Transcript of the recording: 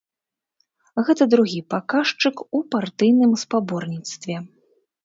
Гэта другі паказчык у партыйным спаборніцтве.